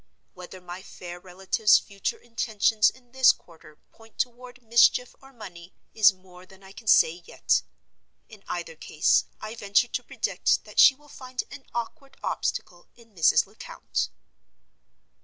Whether my fair relative's future intentions in this quarter point toward Mischief or Money, is more than I can yet say. In either case, I venture to predict that she will find an awkward obstacle in Mrs. Lecount.